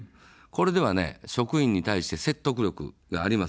これでは職員に対して説得力がありません。